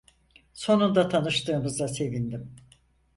Sonunda tanıştığımıza sevindim.